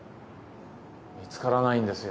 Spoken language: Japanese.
見つからないんですよ。